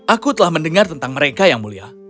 aku telah mendengar tentang mereka yang mulia